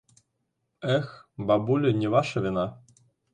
Эх, бабулі, не ваша віна.